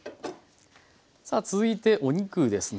さあ続いてお肉ですね。